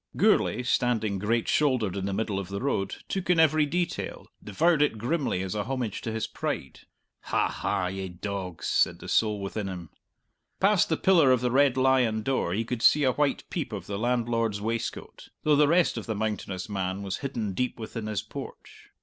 Gourlay, standing great shouldered in the middle of the road, took in every detail, devoured it grimly as a homage to his pride. "Ha, ha, ye dogs!" said the soul within him. Past the pillar of the Red Lion door he could see a white peep of the landlord's waistcoat though the rest of the mountainous man was hidden deep within his porch.